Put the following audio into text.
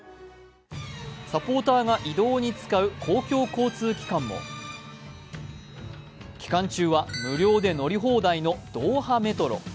サポーターが移動に使う公共交通機関も、期間中は無料で乗り放題のドーハメトロ。